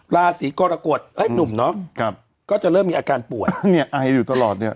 ราศีกรกฎเอ้ยหนุ่มเนาะก็จะเริ่มมีอาการป่วยเนี่ยไออยู่ตลอดเนี่ย